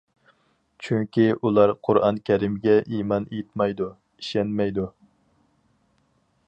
چۈنكى ئۇلار قۇرئان كەرىمگە ئىمان ئېيتمايدۇ، ئىشەنمەيدۇ.